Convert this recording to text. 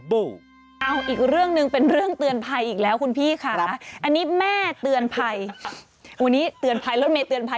ว้ายคือวันนี้เขาแชร์กันทั่วไปหมดเลยนะ